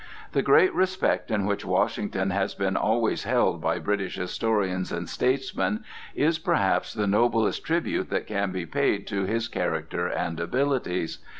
The great respect in which Washington has been always held by British historians and statesmen is, perhaps, the noblest tribute that can be paid to his character and abilities.